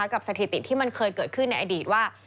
สถิติที่มันเคยเกิดขึ้นในอดีตว่า